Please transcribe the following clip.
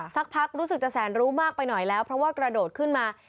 สักพักรู้สึกจะแสนรู้มากไปหน่อยแล้วเพราะว่ากระโดดขึ้นมา